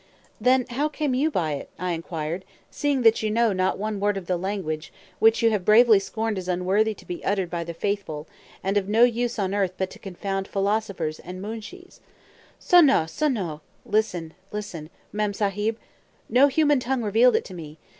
"Then how came you by it," I inquired, "seeing that you know not one word of the language, which you have bravely scorned as unworthy to be uttered by the Faithful, and of no use on earth but to confound philosophers and Moonshees?" "Sunnoh, sunnoh! [Footnote: "Listen, listen!"] Mem Sahib! No human tongue revealed it to me.